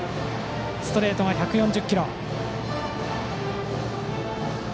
ストレートが１４０キロ。